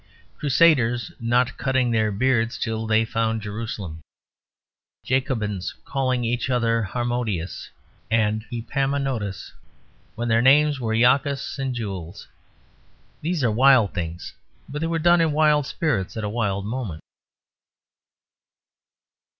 Crusaders not cutting their beards till they found Jerusalem, Jacobins calling each other Harmodius and Epaminondas when their names were Jacques and Jules, these are wild things, but they were done in wild spirits at a wild moment.